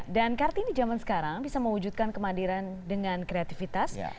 dan kartini zaman sekarang bisa mewujudkan kemadiran dengan kreativitas